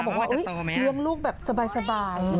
บอกว่าเลี้ยงลูกแบบสบาย